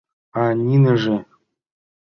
— А ниныже?